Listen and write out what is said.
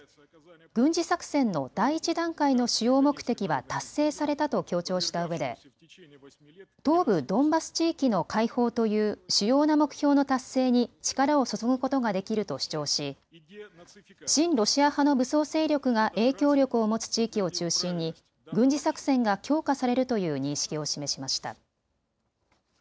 軍事作戦の第１段階の主要目的は達成されたと強調したうえで東部ドンバス地域の解放という主要な目標の達成に力を注ぐことができると主張し親ロシア派の武装勢力が影響力を持つ地域を中心に軍事作戦が強化されるという認識を示しました。